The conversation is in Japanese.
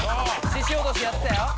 ししおどしやってたよ。